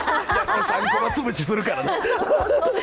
３コマ潰しするからね。